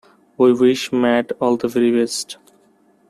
We wish Matt all the very best.